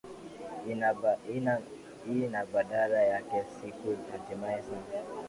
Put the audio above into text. i na badala yake siku hatimae saa